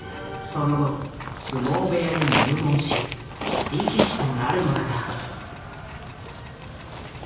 その後相撲部屋に入門し力士となるのだが。